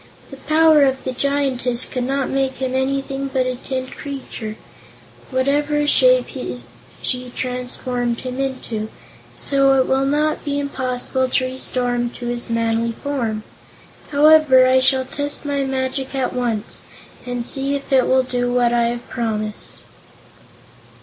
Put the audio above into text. "The power of the Giantess could not make him anything but a tin creature, whatever shape she transformed him into, so it will not be impossible to restore him to his manly form. Anyhow, I shall test my magic at once, and see if it will do what I have promised."